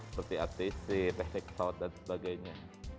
seperti atc teknik pesawat dan sebagainya